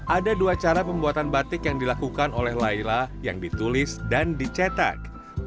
ada dua cara pembuatan batik yang dilakukan oleh layla yang ditulis dan dicetak